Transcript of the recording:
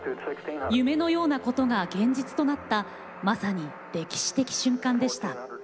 夢のようなことが現実となったまさに歴史的瞬間でした。